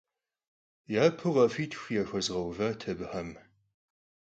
Yapeu khafitxu yaxuezğeuvat abıxem.